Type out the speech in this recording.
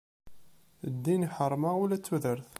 Ddin iḥeṛṛem-aɣ ula d tudert.